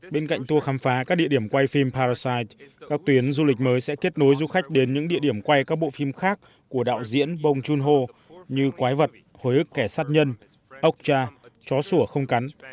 bên cạnh tour khám phá các địa điểm quay phim parasite các tuyến du lịch mới sẽ kết nối du khách đến những địa điểm quay các bộ phim khác của đạo diễn bong joon ho như quái vật hồi ức kẻ sát nhân ốc cha chó sủa không cắn